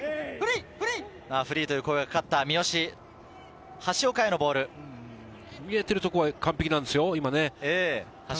フリーという声がかかっ見えているところは完璧なんですよ。